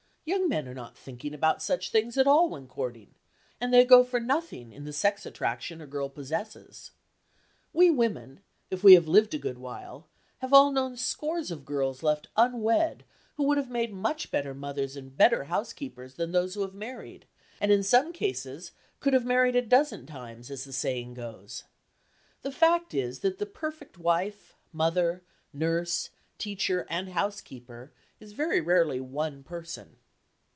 Young men are not thinking about such things at all when courting, and they go for nothing in the sex attraction a girl possesses. We women, if we have lived a good while, have all known scores of girls left unwed who would have made better mothers and better housekeepers than those who have married, and in some cases "could have married a dozen times" as the saying goes. The fact is that the perfect wife, mother, nurse, teacher and housekeeper is very rarely one person.